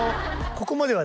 「ここまでは」